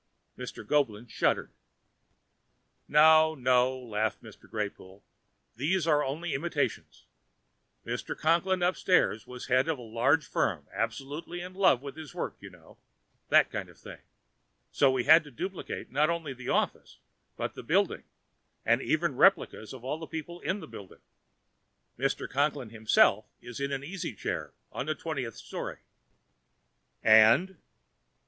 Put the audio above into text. Mr. Goeblin shuddered. "No, no," laughed Mr. Greypoole, "these are only imitations. Mr. Conklin upstairs was head of a large firm; absolutely in love with his work, you know that kind of thing. So we had to duplicate not only the office, but the building and even replicas of all the people in the building. Mr. Conklin himself is in an easy chair on the twentieth story." "_And?